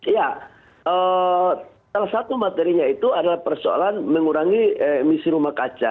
ya salah satu materinya itu adalah persoalan mengurangi emisi rumah kaca